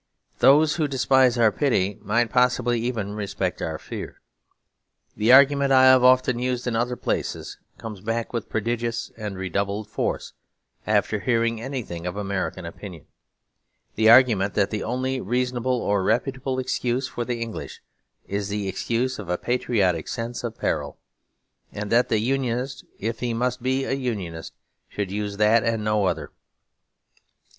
Those who thus despise our pity might possibly even respect our fear. The argument I have often used in other places comes back with prodigious and redoubled force, after hearing anything of American opinion; the argument that the only reasonable or reputable excuse for the English is the excuse of a patriotic sense of peril; and that the Unionist, if he must be a Unionist, should use that and no other.